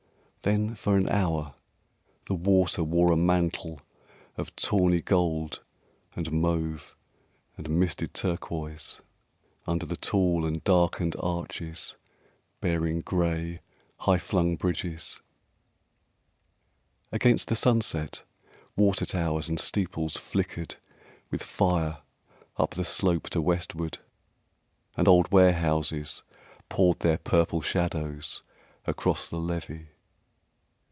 Then for an hour the water wore a mantle Of tawny gold and mauve and misted turquoise Under the tall and darkened arches bearing Gray, high flung bridges. Against the sunset, water towers and steeples Flickered with fire up the slope to westward, And old warehouses poured their purple shadows Across the levee.